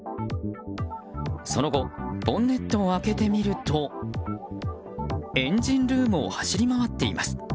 その後ボンネットを開けてみるとエンジンルームを走り回っています。